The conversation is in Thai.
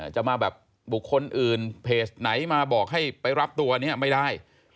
จะมาแบบบุคคลอื่นเพจไหนมาบอกให้ไปรับตัวนี้ไม่ได้